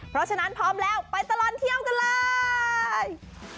เพราะฉะนั้นพร้อมแล้วไปตลอดเที่ยวกันเลย